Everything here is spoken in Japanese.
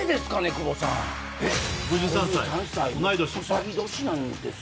久保さん５３歳卯年なんです